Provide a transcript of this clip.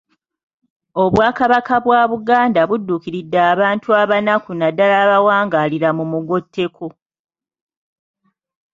Obwakabaka bwa Buganda budduukiridde abantu abanaku naddala abawangaalira mu mugotteko .